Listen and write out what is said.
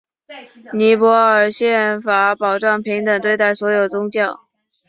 尼泊尔宪法保障平等对待所有宗教。